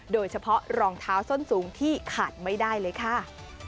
โดยเฉพาะรองเท้าส้นสูงที่ขาดไม่ได้เลยค่ะ